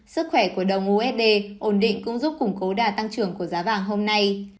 sức khỏe của đồng usd ổn định cũng giúp củng cố đà tăng trưởng của giá vàng hôm nay